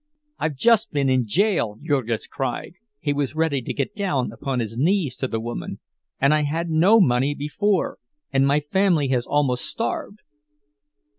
"I've just been in jail," Jurgis cried—he was ready to get down upon his knees to the woman—"and I had no money before, and my family has almost starved."